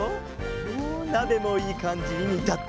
おおなべもいいかんじににたってきた。